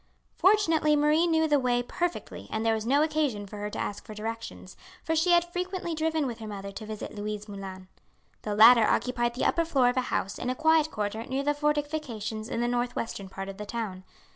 Fortunately Marie knew the way perfectly and there was no occasion for her to ask for directions, for she had frequently driven with her mother to visit Louise Moulin. The latter occupied the upper floor of a house in a quiet quarter near the fortifications in the north western part of the town.